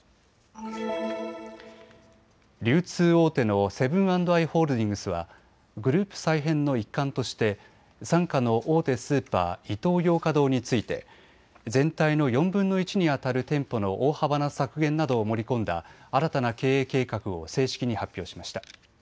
流通大手のセブン＆アイ・ホールディングスはグループ再編の一環として傘下の大手スーパー、イトーヨーカ堂について全体の４分の１にあたる店舗の大幅な削減などを盛り込んだ新たな経営計画を正式に発表しました。